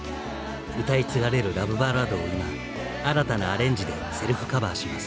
歌い継がれるラブバラードを今新たなアレンジでセルフカバーします。